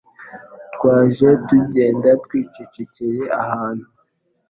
Twaje tugenda twicecekeye ahantu